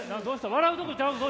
笑うとこちゃうぞ。